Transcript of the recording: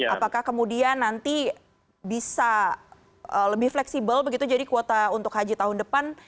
apakah kemudian nanti bisa lebih fleksibel begitu jadi kuota untuk haji tahun depan